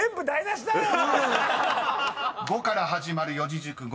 ［「ご」から始まる四字熟語